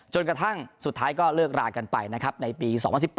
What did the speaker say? จนกระทั่งสุดท้ายก็เลิกรากันไปนะครับในปี๒๐๑๘